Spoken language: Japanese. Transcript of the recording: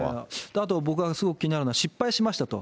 あと僕がすごく気になるのは、失敗しましたと。